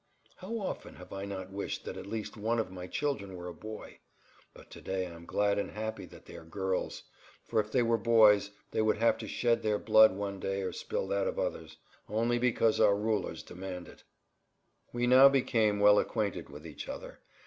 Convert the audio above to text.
"How often have I not wished that at least one of my children were a boy? But to day I am glad and happy that they are girls; for, if they were boys, they would have to shed their blood one day or spill that of others, only because our rulers demand it." We now became well acquainted with each other.